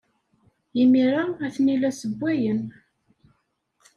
Imir-a, atni la ssewwayen.